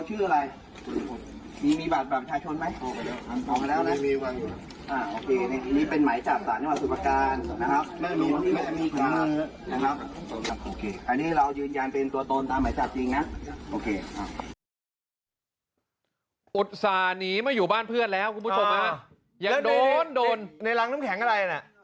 อุตส่าห์หนีไม่อยู่บ้านเพื่อนแล้วคุณผู้ชมฮะยังโดนโดนในรังน้ำแข็งอะไรน่ะ